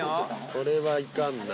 これはいかんな。